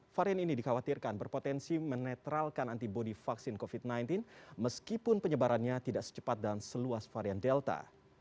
varian ini dikhawatirkan berpotensi menetralkan antibody vaksin covid sembilan belas meskipun penyebarannya tidak secepat dan seluas varian delta